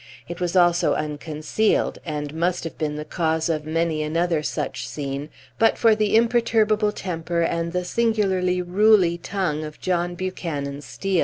It was also unconcealed, and must have been the cause of many another such scene but for the imperturable temper and the singularly ruly tongue of John Buchanan Steel.